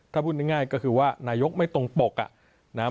ถ้าพูดง่ายก็คือว่านายกไม่ตรงปกอ่ะนะครับ